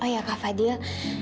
oh ya kak padil